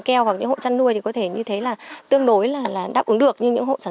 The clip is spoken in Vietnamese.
keo hoặc những hộ chăn nuôi thì có thể như thế là tương đối là đáp ứng được nhưng những hộ sản